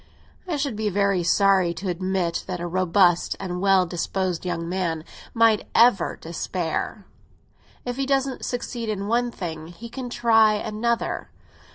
"I should be very sorry to admit that a robust and well disposed young man need ever despair. If he doesn't succeed in one thing, he can try another.